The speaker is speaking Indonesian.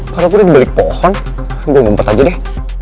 kalau gue udah di balik pohon gue ngumpet aja deh